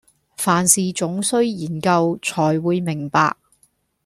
凡事總須研究，纔會明白。